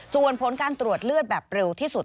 ส่วนผลการตรวจเลือดแบบเร็วที่สุด